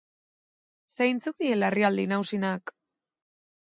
Zeintzuk dira larrialdi nagusienak?